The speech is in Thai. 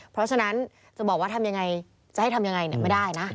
เพราะฉะนั้นจะบอกว่าทำยังไงจะให้ทำยังไงไม่ได้นะ